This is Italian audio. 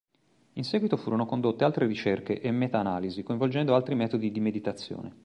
In seguito furono condotte altre ricerche e meta analisi coinvolgendo altri metodi di meditazione.